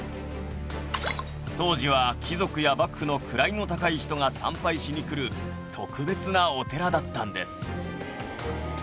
当時は貴族や幕府の位の高い人が参拝しに来る特別なお寺だったんです。